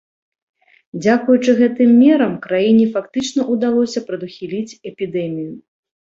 Дзякуючы гэтым мерам краіне фактычна ўдалося прадухіліць эпідэмію.